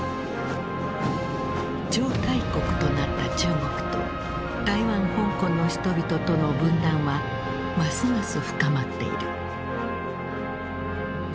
超大国となった中国と台湾香港の人々との分断はますます深まっている。